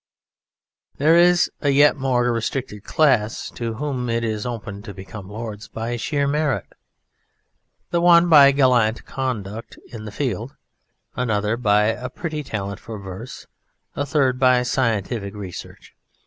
There is a yet more restricted class to whom it is open to become Lords by sheer merit. The one by gallant conduct in the field, another by a pretty talent for verse, a third by scientific research.